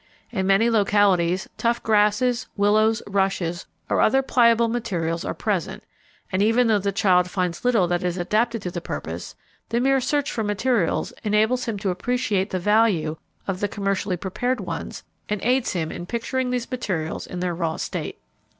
In many localities tough grasses, willows, rushes, or other pliable materials are present, and even though the child finds little that is adapted to the purpose, the mere search for materials enables him to appreciate the value of the commercially prepared ones and aids him in picturing these materials in their raw state.